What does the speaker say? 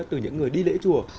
từ những người đi lễ chùa